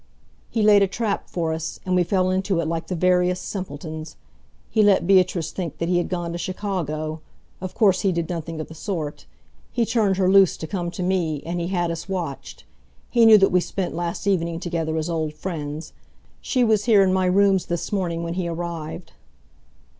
"He laid a trap for us, and we fell into it like the veriest simpletons. He let Beatrice think that he had gone to Chicago. Of course, he did nothing of the sort. He turned her loose to come to me, and he had us watched. He knew that we spent last evening together as old friends. She was here in my rooms this morning when he arrived."